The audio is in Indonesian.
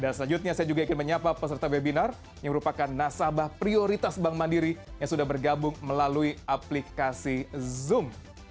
dan selanjutnya saya juga ingin menyapa peserta webinar yang merupakan nasabah prioritas bank mandiri yang sudah bergabung melalui aplikasi zoom